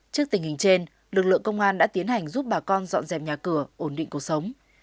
trước tình hình trên lực lượng công an đã tiến hành giúp bà con dọn dẹp nhà cửa ổn định cuộc sống